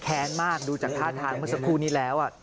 แเข้นมากกดูจากท่าทานเพิ่มือสัมพุทางานี้แล้ว